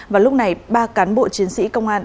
và lúc này ba cán bộ chiến sĩ công an